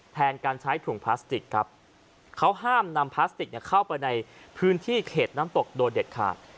แทนการใช้ถุงพลาสติกครับเขาห้ามนำพลาสติกเข้าไปในพื้นที่เขตน้ำตกโดยเด็ดขาด